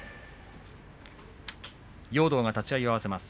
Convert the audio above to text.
容堂が立ち合いを合わせます。